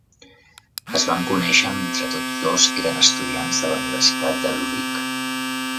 Es van conèixer mentre tots dos eren estudiants de la Universitat de Zuric.